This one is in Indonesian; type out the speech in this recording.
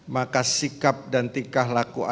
maka sikap dan tikah lakuannya